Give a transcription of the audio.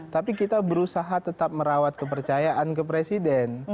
tapi kita berusaha tetap merawat kepercayaan ke presiden